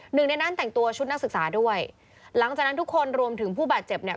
หนึ่งในนั้นแต่งตัวชุดนักศึกษาด้วยหลังจากนั้นทุกคนรวมถึงผู้บาดเจ็บเนี่ย